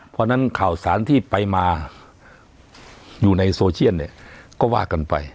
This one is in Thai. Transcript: เพราะฉะนั้นข่าวสารที่ไปมาอยู่ในโซเชียลเนี่ยก็ว่ากันไป